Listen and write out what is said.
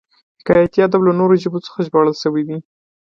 حکایتي ادب له نورو ژبو څخه ژباړل شوی دی